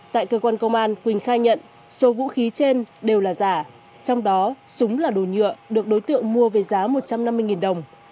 tại cơ quan công an quỳnh khai nhận số vũ khí trên đều là giả trong đó súng là đồ nhựa được đối tượng mua về giá một trăm năm mươi đồng